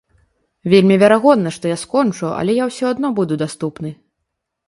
Вельмі верагодна, што я скончу, але я ўсё адно буду даступны.